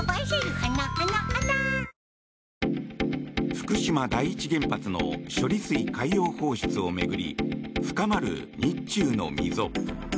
福島第一原発の処理水海洋放出を巡り深まる日中の溝。